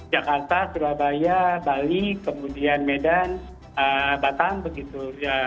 jakarta surabaya bali kemudian medan batam begitu